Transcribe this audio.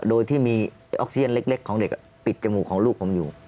โดยที่มีออกเซียนเล็กของเด็กปิดจมูกของลูกผมอยู่